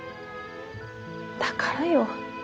だからよ。